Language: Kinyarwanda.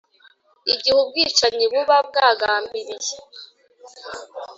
Igihe ubwicanyi buba bwagambiriye